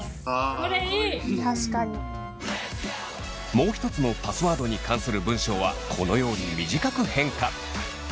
もう一つのパスワードに関する文章はこのように短く変化！